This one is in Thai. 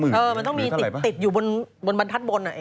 เออมันต้องมีติดอยู่บนบรรทัศน์บน